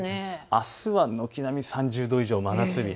あすは軒並み３０度以上、真夏日。